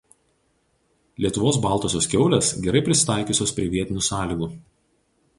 Lietuvos baltosios kiaulės gerai prisitaikiusios prie vietinių sąlygų.